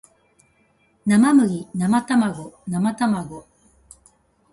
生麦生卵生卵